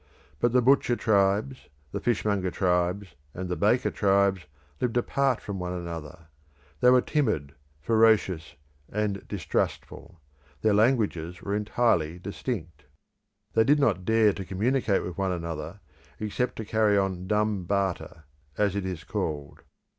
But the butcher tribes, the fishmonger tribes, and the baker tribes lived apart from one another; they were timid, ferocious, and distrustful; their languages were entirely distinct. They did not dare to communicate with one another, except to carry on dumb barter, as it is called.